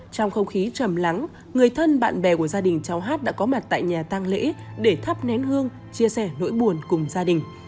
trong không khí trầm lắng người thân bạn bè của gia đình cháu hát đã có mặt tại nhà tăng lễ để thắp nén hương chia sẻ nỗi buồn cùng gia đình